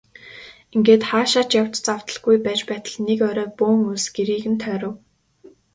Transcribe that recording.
Ингээд хаашаа ч явж завдалгүй байж байтал нэг орой бөөн улс гэрийг нь тойров.